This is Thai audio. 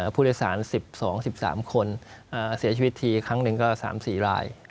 ผู้โดยสาร๑๒๑๓คนเสียชีวิตทีครั้งหนึ่งก็๓๔ราย